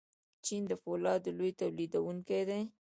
چین د فولادو لوی تولیدونکی دی.